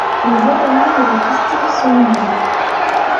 Les étamines et les pistils sont nombreux.